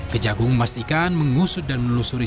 kejagung memastikan mengusut dan menelusuri